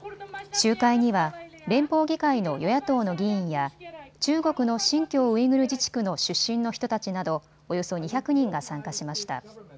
集会には連邦議会の与野党の議員や中国の新疆ウイグル自治区の出身の人たちなどおよそ２００人が参加しました。